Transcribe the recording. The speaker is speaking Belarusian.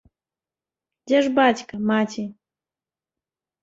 Дзе ж бацька, маці?